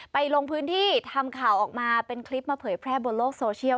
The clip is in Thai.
ลงพื้นที่ทำข่าวออกมาเป็นคลิปมาเผยแพร่บนโลกโซเชียล